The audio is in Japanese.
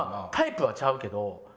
タイプはちゃうけど。